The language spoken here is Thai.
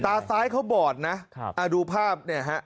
ตาซ้ายเขาบอดนะดูภาพเนี่ยฮะ